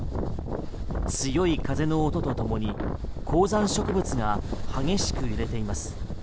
強い風の音とともに高山植物が激しく揺れています。